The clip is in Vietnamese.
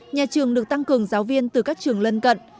nhà trường được tăng cường giáo viên từ các trường lân cận